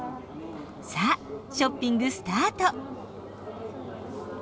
さあショッピングスタート！